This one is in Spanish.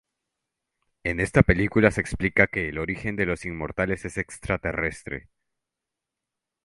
En esta película se explica que el origen de los inmortales es extraterrestre.